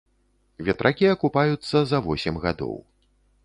Ветракі акупаюцца за восем гадоў.